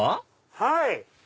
はい！